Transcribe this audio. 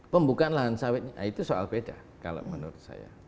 pembukaan lahan sawit nah itu soal beda kalau menurut saya